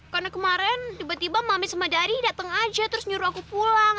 karena kemarin tiba tiba mami sama dari dateng aja terus nyuruh aku pulang